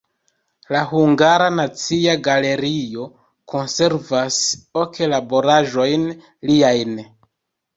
La Hungara Nacia Galerio konservas ok laboraĵojn liajn.